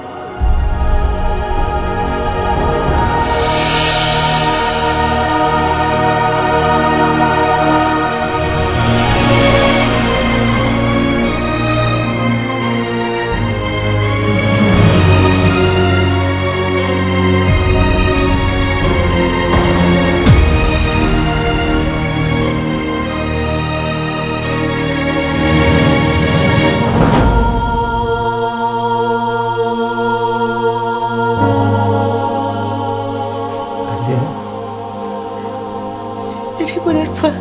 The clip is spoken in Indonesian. aku akan meminta kamu untuk berubah diri